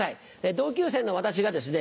同級生の私がですね